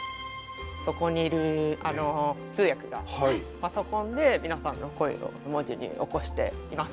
そこにいる通訳がパソコンで皆さんの声を文字に起こしています。